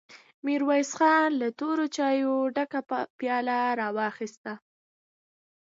ميرويس خان له تورو چايو ډکه پياله ور واخيسته.